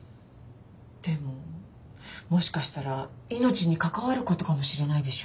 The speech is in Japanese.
でももしかしたら命に関わることかもしれないでしょ？